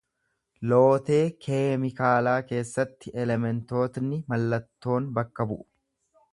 Lootee keemikaalaa keessatti elementootni mallattoon bakka bu’u.